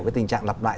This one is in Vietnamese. cái tình trạng lập lại